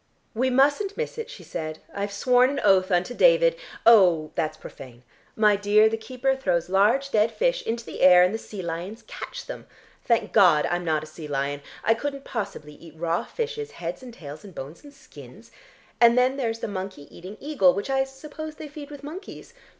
"We mustn't miss it," she said. "I've sworn an oath unto David oh, that's profane. My dear, the keeper throws large dead fish into the air and the sea lions catch them. Thank God, I'm not a sea lion. I couldn't possibly eat raw fishes, heads and tails and bones and skins. And then there's the monkey eating eagle, which I suppose they feed with monkeys.